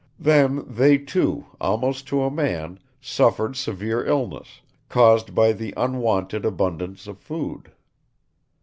Then they, too, almost to a man, suffered severe illness, caused by the unwonted abundance of food.